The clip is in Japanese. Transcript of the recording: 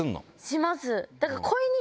します。